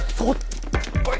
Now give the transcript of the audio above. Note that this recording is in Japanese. おい！